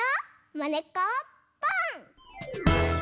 「まねっこポン！」。